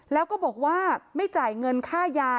แล้วก็บอกว่าไม่จ่ายเงินค่ายา